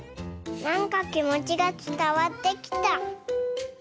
なんかきもちがつたわってきた。